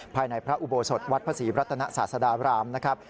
ภายในพระอุโบสถวัดภาษีรัตนสาธารามนะครับ